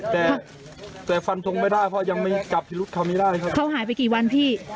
แต่แต่ฟันทงไม่ได้เพราะยังไม่จับพิรุษเขาไม่ได้ครับเขาหายไปกี่วันพี่